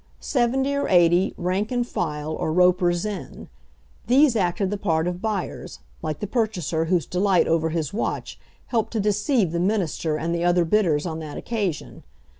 Seventy or eighty, rank and file, or ropers in. These acted the part of buyers, like the purchaser whose delight over his watch helped to deceive the minister and the other bidders on that occasion.